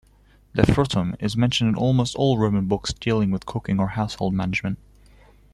"Defrutum "is mentioned in almost all Roman books dealing with cooking or household management.